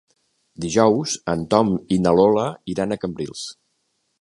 Dijous en Tom i na Lola iran a Cambrils.